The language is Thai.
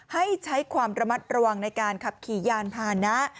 ให้ใช้ความระมัดระวังในการขับขี่ยานพานะ